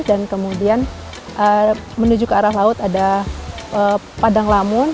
dan kemudian menuju ke arah laut ada padang lamun